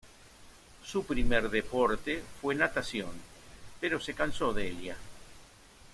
Su primer deporte fue natación, pero se cansó de ella.